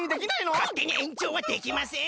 かってにえんちょうはできません。